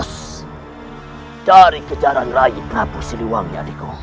cari kejaran rakyat nabu siliwangi adikku